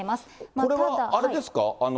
これはあれですか？